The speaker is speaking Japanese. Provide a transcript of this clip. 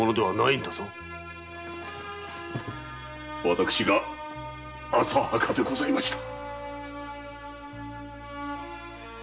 私が浅はかでございました！